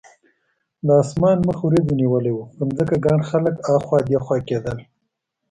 د اسمان مخ وریځو نیولی و، پر ځمکه ګڼ خلک اخوا دیخوا کېدل.